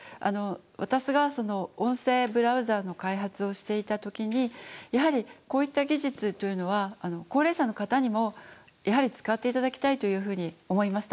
私がその音声ブラウザーの開発をしていた時にやはりこういった技術というのは高齢者の方にもやはり使って頂きたいというふうに思いました。